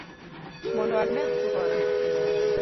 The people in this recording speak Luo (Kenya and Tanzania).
Mondo aneg chuore